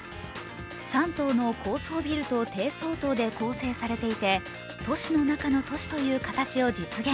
３棟の高層ビルと低層棟で構成されいて、都市の中の都市という形を実現。